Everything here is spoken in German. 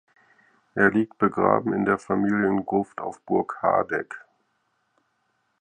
Er liegt begraben in der Familiengruft auf Burg Hardegg.